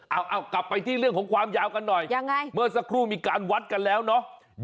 เอากลับไปที่เรื่องของความยาวกันหน่อยยังไงเมื่อสักครู่มีการวัดกันแล้วเนาะ